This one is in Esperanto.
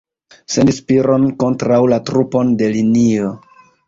Sendi Spiro'n kontraŭ la trupon de linio!